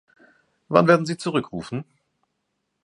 Wann werden Sie zurückrufen?